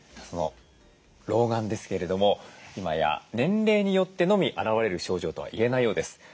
老眼ですけれども今や年齢によってのみ現れる症状とは言えないようです。